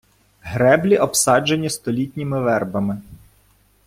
Греблі обсаджені столітніми вербами.